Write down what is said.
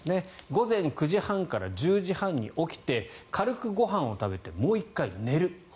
午前９時半から１０時半に起きて軽くご飯を食べてもう１回寝る。